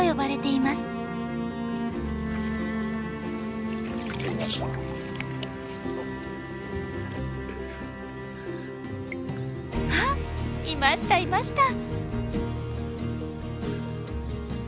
いましたいました。